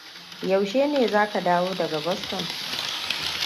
Yaushe ne zaka dawo daga Boston?